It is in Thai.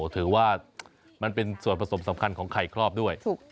ถือว่ามันเป็นส่วนผสมสำคัญของไข่ครอบด้วย